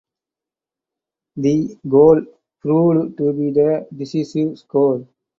The "goal" proved to be the decisive score.